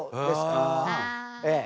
ええ。